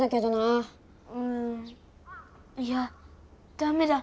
うんいやダメだ。